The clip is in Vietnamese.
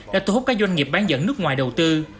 đã thu hút các doanh nghiệp bán dẫn nước ngoài đầu tư